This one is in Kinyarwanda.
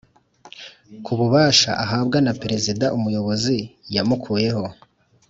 Ku bubasha ahabwa na Perezida Umuyobozi yamukuyeho